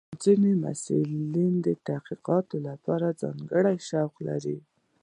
ځینې محصلین د تحقیق لپاره ځانګړي شوق لري.